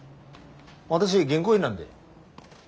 私銀行員なんで。